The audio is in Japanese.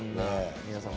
皆さん。